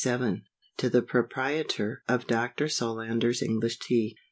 To the Proprietor of Dr. SOLANDER'S ENGLISH TEA.